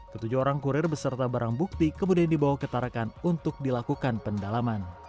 ketujuh orang kurir beserta barang bukti kemudian dibawa ke tarakan untuk dilakukan pendalaman